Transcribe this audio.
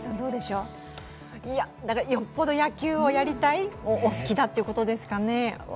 よほど野球をやりたい、お好きだということですかね。